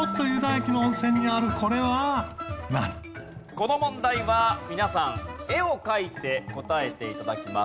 この問題は皆さん絵を描いて答えて頂きます。